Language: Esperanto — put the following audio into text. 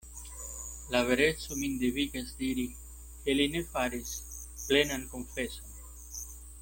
La vereco min devigas diri, ke li ne faris plenan konfeson.